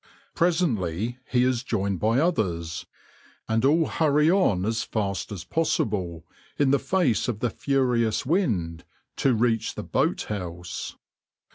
Presently he is joined by others, and all hurry on as fast as possible, in the face of the furious wind, to reach the boathouse.